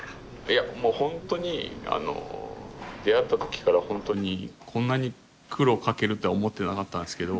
もう本当に出会った時から本当にこんなに苦労をかけるって思ってなかったんですけど